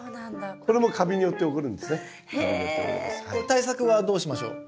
対策はどうしましょう？